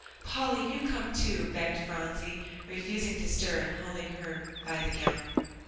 "Polly, you come too," begged Phronsie, refusing to stir, and holding her by the gown.